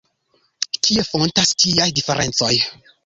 Kie fontas tiaj diferencoj?